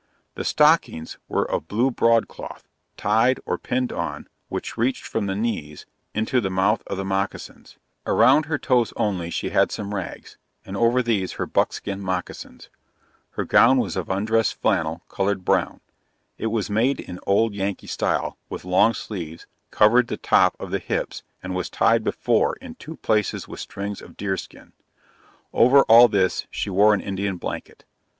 The stockings, were of blue broadcloth, tied, or pinned on, which reached from the knees, into the mouth of the moccasins. Around her toes only she had some rags, and over these her buckskin moccasins. Her gown was of undressed flannel, colored brown. It was made in old yankee style, with long sleeves, covered the top of the hips, and was tied before in two places with strings of deer skin. Over all this, she wore an Indian blanket.